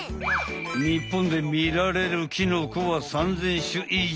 日本でみられるキノコは３０００種以上。